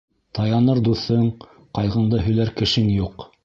Таяныр дуҫың, ҡайғыңды һөйләр кешең юҡ!